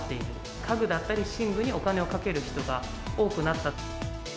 家具だったり寝具にお金をかける人が多くなった。